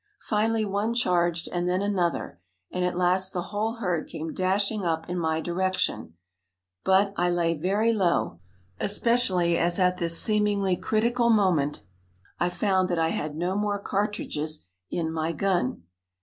Finally one charged and then another, and at last the whole herd came dashing up in my direction; but "I lay very low," especially as at this seemingly critical moment I found that I had no more cartridges in my gun.